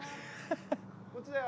こっちだよ。